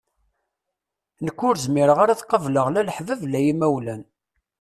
Nekk ur zmireɣ ara ad qableɣ la laḥbab la imawlan.